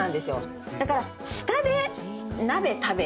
だから。